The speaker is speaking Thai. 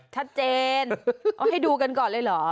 ชัดเจนเอาให้ดูกันก่อนเลยเหรอ